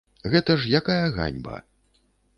Гэта ж якая ганьба.